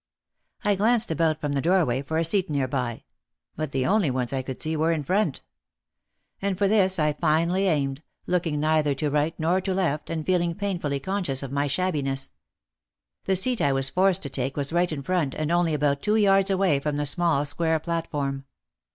I glanced about from the doorway for a seat nearby. But the only ones I could see were in front. And for OUT OF THE SHADOW 125 this I finally aimed, looking neither to right nor to left and feeling painfully conscious of my shabbiness. The seat I was forced to take was right in front and only about two yards away from the small square platform.